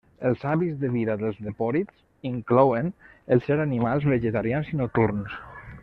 Els hàbits de vida dels lepòrids inclouen el ser animals vegetarians i nocturns.